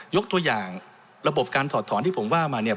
ยกตัวอย่างระบบการถอดถอนที่ผมว่ามาเนี่ย